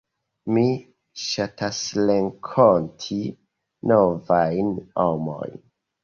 Mi ŝatasrenkonti novajn homojn.